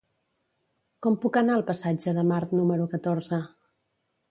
Com puc anar al passatge de Mart número catorze?